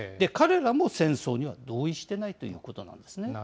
彼らも戦争には同意してないということなんですね。